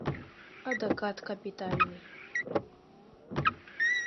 Адакат капитальный.